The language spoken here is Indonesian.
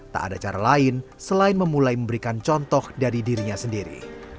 tak ada cara lain selain memulai memberikan contoh dari dirinya sendiri